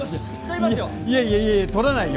いやいや、いやいや撮らないよ！